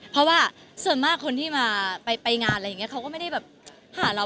เพราะว่าส่วนมากคนที่มาไปงานอะไรอย่างนี้เขาก็ไม่ได้แบบหาเรา